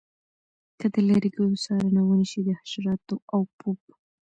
که د لرګیو څارنه ونشي د حشراتو او پوپ